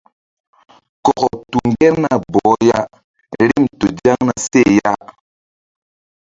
Kɔkɔ tu ŋgerna bɔh ya rim tu zaŋ na seh ya.